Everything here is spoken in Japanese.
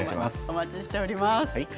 お待ちしています。